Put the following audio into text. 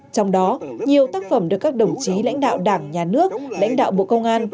trong đó nhiều tác phẩm được các đồng chí lãnh đạo đảng nhà nước lãnh đạo bộ công an